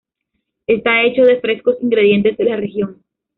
Está hecho de frescos ingredientes de la región.